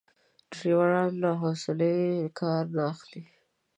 ډریوران له حوصلې کار نه اخلي.